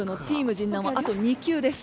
神南はあと２球です。